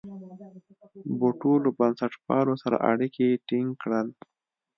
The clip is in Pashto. بوټو له بنسټپالو سره اړیکي ټینګ کړل.